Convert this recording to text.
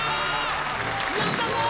やったぞ！